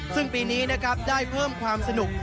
ซึ่งปีนี้นะครับได้เพิ่มความสนุก